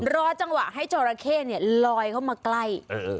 รอจังหวะให้จราเข้ลอยเข้ามาใกล้